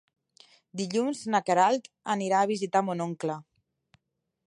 Dilluns na Queralt anirà a visitar mon oncle.